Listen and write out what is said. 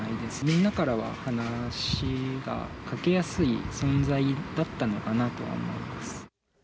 みんなからは話がかけやすい存在だったのかなと思います。